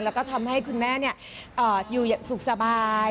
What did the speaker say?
และทำให้คุณแม่สุขสบาย